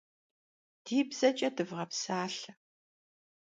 Di bzeç'e dıvğepsalhe!